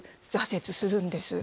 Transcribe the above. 挫折するんです。